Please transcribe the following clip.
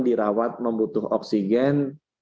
dirawat membutuhkan oksigen